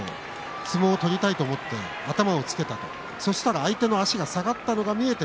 相撲を取りたいと思って頭をつけたそうしたら相手の足が下がったのが見えて